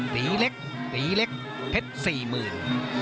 ตีเล็กตีเล็กเพชรสี่หมื่น